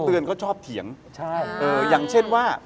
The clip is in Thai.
แต่มันมีความลับที่แปลกมากว่าทั้งคู่อ่ะ